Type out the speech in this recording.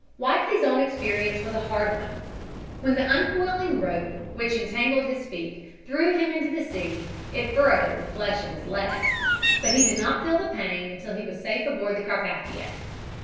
Whiteley's own experience was a hard one. When the uncoiling rope, which entangled his feet, threw him into the sea, it furrowed the flesh of his leg, but he did not feel the pain until he was safe aboard the Carpathia.